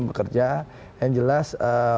bekerja yang jelas